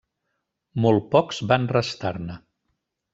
Molt pocs van restar-ne.